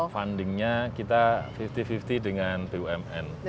fundingnya kita lima puluh lima puluh dengan bumn